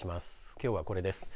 きょうはこれです。